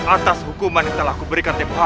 atas hukuman yang telah kuberikan th